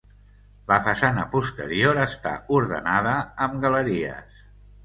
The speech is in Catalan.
La façana posterior està ordenada amb galeries.